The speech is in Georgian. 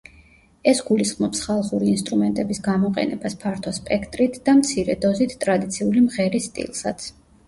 ეს გულისხმობს ხალხური ინსტრუმენტების გამოყენებას ფართო სპექტრით და მცირე დოზით ტრადიციული მღერის სტილსაც.